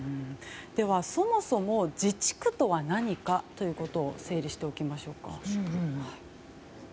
そもそも自治区とは何かを整理しておきましょうか。